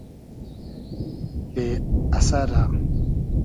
بې اسئرۂ